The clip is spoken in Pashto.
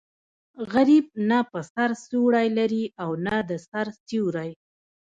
غریب نه په سر څوړی لري او نه د سر سیوری.